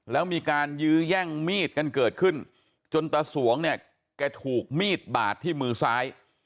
แล้วมีการยื้อแย่งมีดกันเกิดขึ้นจนตาสวงเนี่ยแกถูกมีดบาดที่มือซ้าย